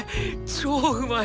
超うまい。